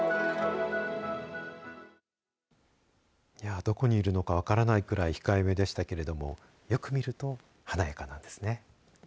どこにいるのか分からないぐらい控えめでしたけどもよく見ると華やかなんですね。